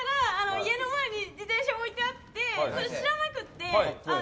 家の前に自転車が置いてあってそれ知らなくて。